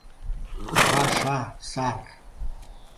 Паша сар!